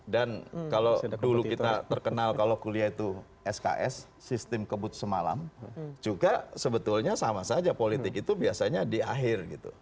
dan kalau dulu kita terkenal kalau kuliah itu sks sistem kebut semalam juga sebetulnya sama saja politik itu biasanya di akhir gitu